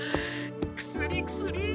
薬薬！